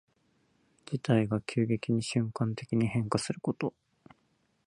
事態が急激に瞬間的に変化すること。